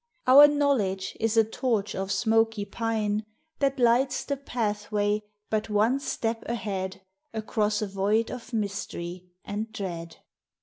Our knowledge is a torch of smoky pine That lights the pathway but one step ahead Across a void of mystery and dread.